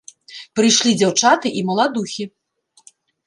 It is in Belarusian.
Прыйшлі дзяўчаты і маладухі.